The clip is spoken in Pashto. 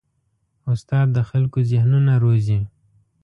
استاد د خلکو ذهنونه روزي.